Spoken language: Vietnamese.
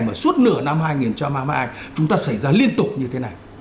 mà suốt nửa năm hai nghìn cho ma mai chúng ta xảy ra liên tục như thế này